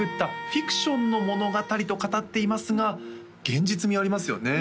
「フィクションの物語」と語っていますが現実味ありますよね？